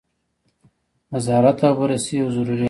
نظارت او بررسي یو ضروري امر دی.